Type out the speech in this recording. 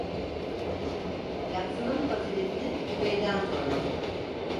Yatsının faziletini güveyden sormalı.